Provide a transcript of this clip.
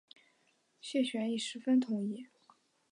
谢玄亦十分同意。